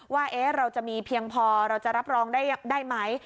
ว่าเราจะมีเพียงพอเราจะรับรองได้ไหม